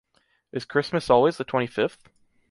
Is Christmas always the twenty fifth?